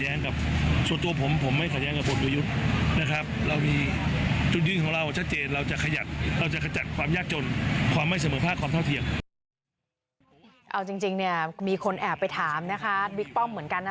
เอาจริงเนี่ยมีคนแอบไปถามนะคะบิ๊กป้อมเหมือนกันนะ